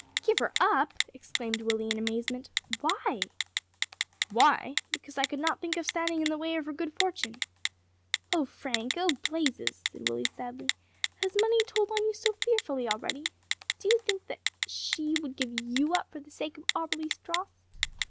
"Give her up!" exclaimed Willie in amazement. "Why?" "Why! because I could not think of standing in the way of her good fortune." "Oh, Frank! oh, Blazes," said Willie sadly, "has money told on you so fearfully already? Do you think that she would give you up for the sake of Auberly's dross?"